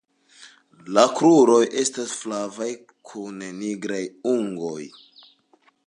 La kruroj estas flavaj kun nigraj ungoj.